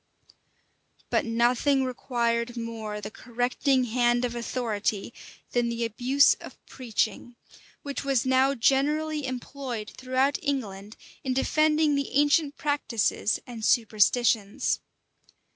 ii. p. 28. But nothing required more the correcting hand of authority than the abuse of preaching, which was now generally employed throughout England in defending the ancient practices and superstitions.